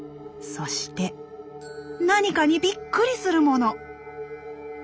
そして何かにびっくりする者。